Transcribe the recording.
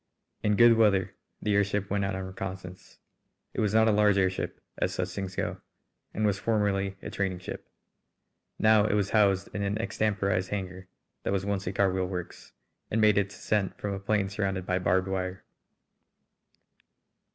In good weather the airship went out on reconnoissance. It was not a large airship, as such things go, and was formerly a training ship. Now it was housed in an extemporised hangar that was once a carwheel works, and made its ascent from a plain surrounded by barbed wire.